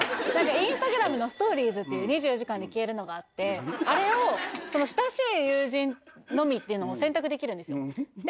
Ｉｎｓｔａｇｒａｍのストーリーズっていう２４時間で消えるのがあってあれを親しい友人のみっていうのを選択できるんですよで